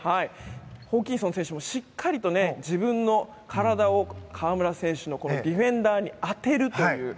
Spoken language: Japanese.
ホーキンソン選手もしっかりと自分の体を河村選手のディフェンダーに当てるという。